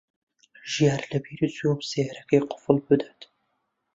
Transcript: ژیار لەبیری چوو سەیارەکەی قوفڵ بدات.